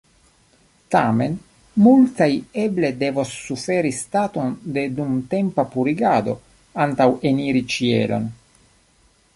Tamen, multaj eble devos suferi staton de dumtempa purigado antaŭ eniri ĉielon.